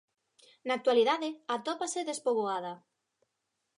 Na actualidade atópase despoboada.